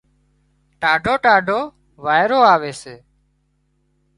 ٽاڍو ٽاڍو وارئيرو آوي سي